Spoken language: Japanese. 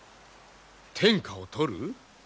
天下を取る？